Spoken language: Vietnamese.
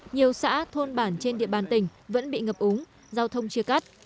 nhiều xã thôn bản trên địa bàn tỉnh vẫn bị ngập úng giao thông chia cắt